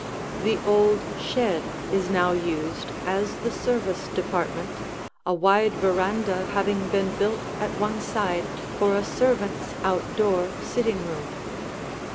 The old shed is now used as the service department, a wide veranda having been built at one side for a servants' outdoor sitting room.